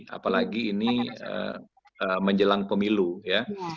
apalagi ini menjelang pemilu ya